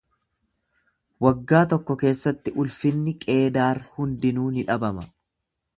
Waggaa tokko keessatti ulfinni Qeedaar hundinuu ni dhabama.